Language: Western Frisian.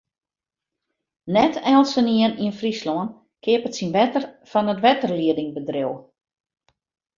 Net eltsenien yn Fryslân keapet syn wetter fan it wetterliedingbedriuw.